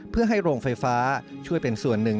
เพื่อให้โรงไฟฟ้าช่วยเป็นส่วนหนึ่ง